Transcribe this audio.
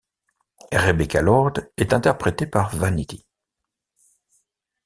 Rebecca Lord est interprétée par Vanity.